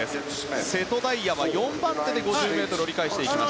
瀬戸大也は４番手で５０ｍを折り返しました。